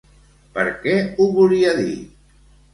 Per què ho volia dir?